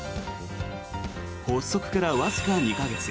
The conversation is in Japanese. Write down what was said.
発足からわずか２か月。